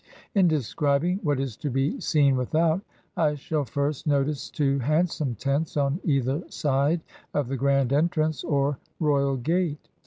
In describing what is to be seen without, I shall first notice two handsome tents on either side of the grand entrance, or royal gate.